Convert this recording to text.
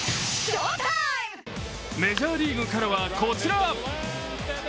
メジャーリーグからはこちら！